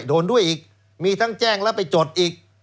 โดนด้วยอีกมีทั้งแจ้งแล้วไปจดอีก